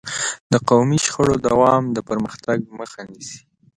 د قومي شخړو دوام د پرمختګ مخه نیسي.